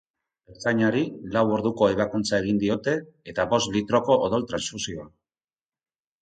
Ertzainari lau orduko ebakuntza egin diote, eta bost litroko odol-transfusioa.